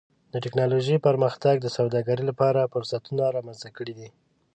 د ټکنالوجۍ پرمختګ د سوداګرۍ لپاره فرصتونه رامنځته کړي دي.